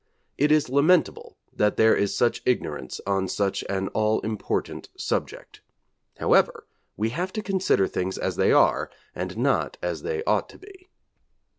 It is lamentable that there is such ignorance on such an all important subject. However, we have to consider things as they are and not as they ought to be.